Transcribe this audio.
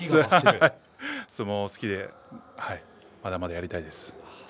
相撲好きでまだまだやりたいです。